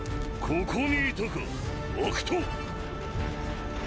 ここにいたか悪党！